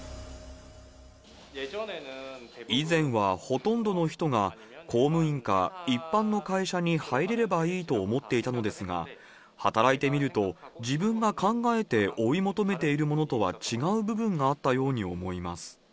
以前はほとんどの人が、公務員か一般の会社に入れればいいと思っていたのですが、働いてみると、自分が考えて追い求めているものとは違う部分があったように思います。